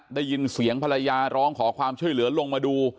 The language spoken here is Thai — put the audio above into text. ได้ยินเสียงภรรยาร้องขอความช่วยเหลือลงมาดู